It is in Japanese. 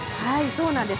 そうなんです。